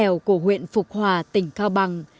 em là một người của huyện phục hòa tỉnh cao bằng